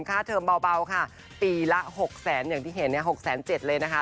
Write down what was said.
ค่าเทอมเบาค่ะปีละหกแสนอย่างที่เห็นเนี่ยหกแสนเจ็ดเลยนะคะ